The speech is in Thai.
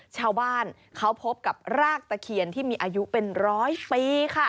ชาวบ้านเขาพบกับรากตะเคียนที่มีอายุเป็นร้อยปีค่ะ